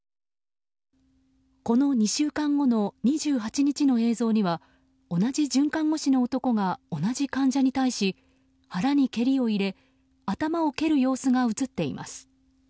この２週間後の２８日の映像には同じ准看護師の男が同じ患者に対し腹に蹴りを入れ頭を蹴る様子が映っています。